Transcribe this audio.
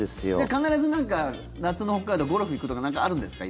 必ず夏の北海道ゴルフ行くとかなんかあるんですか？